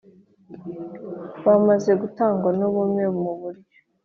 byamaze gutangwa nubumwe muburyo